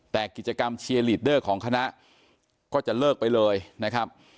แต่กิจกรรมเชียร์ลีดเดอร์ของคณะก็จะเลิกไปเลยนะครับ